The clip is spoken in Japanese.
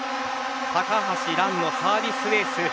高橋藍のサービスエース。